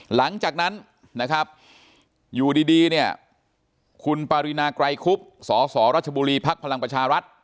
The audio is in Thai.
หลังจากนั้นอยู่ดีคุณปารีนาไกรคุบสรบพลังประชารัฐ